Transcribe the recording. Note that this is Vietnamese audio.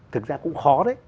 thực ra cũng khó đấy